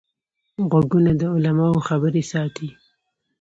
غوږونه د علماوو خبرې ساتي